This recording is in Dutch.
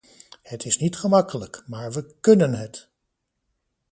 Het is niet gemakkelijk, maar we kúnnen het.